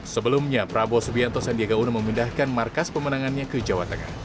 sebelumnya prabowo subianto sandiaga uno memindahkan markas pemenangannya ke jawa tengah